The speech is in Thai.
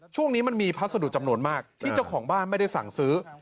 ช่วงนี้มันมีพัสดุจำนวนมากที่เจ้าของบ้านไม่ได้สั่งซื้อ